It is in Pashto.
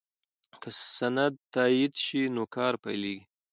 که سند تایید شي نو کار پیلیږي.